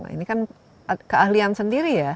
ini kan keahlian sendiri ya